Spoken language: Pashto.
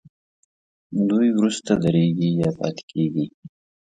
دوی وروسته درېږي یا پاتې کیږي.